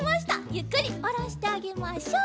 ゆっくりおろしてあげましょう。